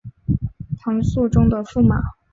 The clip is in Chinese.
唐肃宗的驸马。